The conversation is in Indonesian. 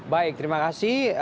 baik terima kasih